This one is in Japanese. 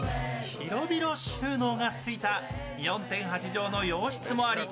広々収納がついた４．８畳の洋室もあり